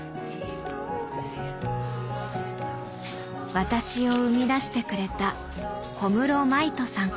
私を生み出してくれた小室真以人さん。